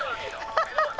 ハハハ！